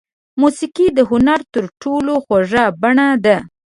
موسیقي د هنر تر ټولو خوږه بڼه ده.